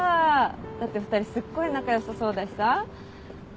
だって２人すっごい仲良さそうだしさ。